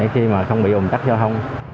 để khi mà không bị ồn tắc giao thông